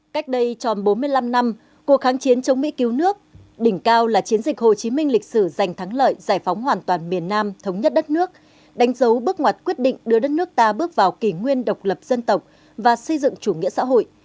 cách đây tròn bốn mươi năm năm cuộc kháng chiến chống mỹ cứu nước đỉnh cao là chiến dịch hồ chí minh lịch sử giành thắng lợi giải phóng hoàn toàn miền nam thống nhất đất nước đánh dấu bước ngoặt quyết định đưa đất nước ta bước vào kỷ nguyên độc lập dân tộc và xây dựng chủ nghĩa xã hội